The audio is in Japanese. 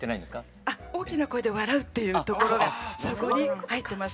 あ「大きな声で笑う」っていうところがそこに入ってます。